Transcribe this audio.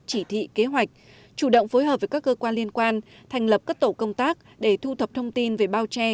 chỉ thị kế hoạch chủ động phối hợp với các cơ quan liên quan thành lập các tổ công tác để thu thập thông tin về bao che